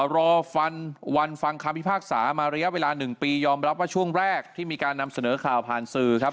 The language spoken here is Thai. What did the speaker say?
รอฟันวันฟังคำพิพากษามาระยะเวลา๑ปียอมรับว่าช่วงแรกที่มีการนำเสนอข่าวผ่านสื่อครับ